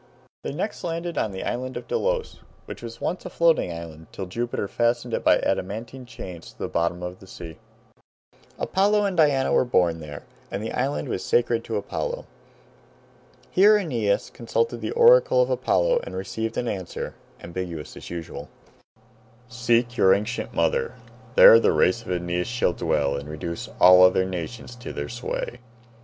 They next landed on the island of Delos, which was once a floating island, till Jupiter fastened it by adamantine chains to the bottom of the sea. Apollo and Diana were born there, and the island was sacred to Apollo. Here Aeneas consulted the oracle of Apollo, and received an answer, ambiguous as usual, "Seek your ancient mother; there the race of Aeneas shall dwell, and reduce all other nations to their sway."